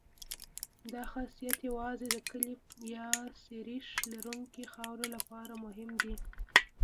دا خاصیت یوازې د کلې یا سریښ لرونکې خاورې لپاره مهم دی